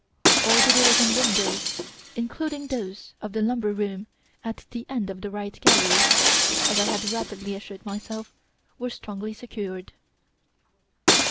All the doors and windows, including those of the lumber room at the end of the 'right' gallery as I had rapidly assured myself were strongly secured.